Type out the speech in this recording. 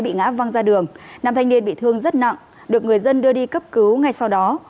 bị ngã văng ra đường nam thanh niên bị thương rất nặng được người dân đưa đi cấp cứu ngay sau đó